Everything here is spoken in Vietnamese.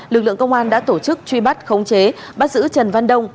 lực lượng công an đã tổ chức truy bắt khống chế bắt giữ trần văn đông